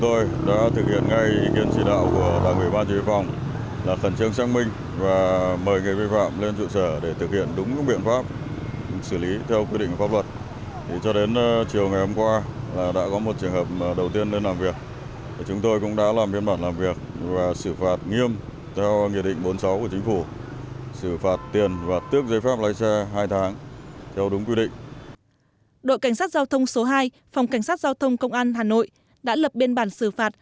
đội cảnh sát giao thông số hai phòng cảnh sát giao thông công an tp hà nội đã lập biên bản xử phạt